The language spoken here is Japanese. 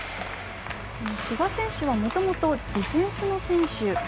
志賀選手はもともとディフェンスの選手。